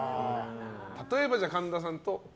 例えば神田さんと。